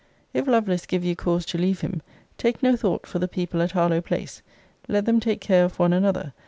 If Lovelace give you cause to leave him, take no thought for the people at Harlowe place. Let them take care of one another.